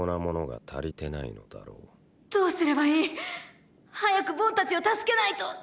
どうすればいい⁉早くボンたちを助けないと！